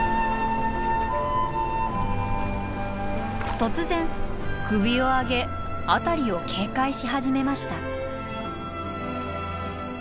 突然首を上げ辺りを警戒し始めました。